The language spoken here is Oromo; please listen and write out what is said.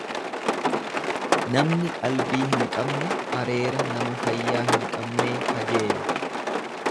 Namni qalbii hin qabne areera nama fayyaa hin qabnee kajeela.